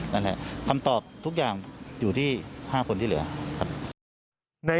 นั่นแหละคำตอบทุกอย่างอยู่ที่๕คนที่เหลือครับ